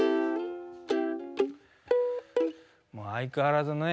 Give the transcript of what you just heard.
もう相変わらずのね